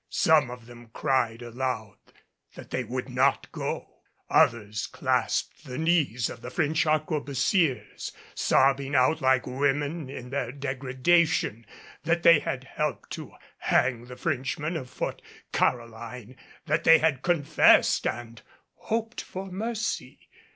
Some of them cried aloud that they would not go. Others clasped the knees of the French arquebusiers, sobbing out like women in their degradation that they had helped to hang the Frenchmen of Fort Caroline, that they had confessed and hoped for mercy.